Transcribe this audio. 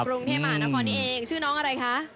กรุงเทพมหานครนี้เองชื่อน้องอะไรคะ